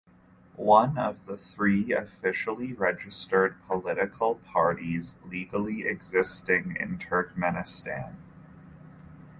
One of the three officially registered political parties legally existing in Turkmenistan.